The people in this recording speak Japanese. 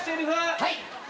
はい。